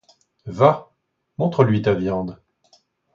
Va, montre-lui ta viande!